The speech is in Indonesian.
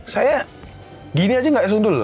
saya gini aja gak sundul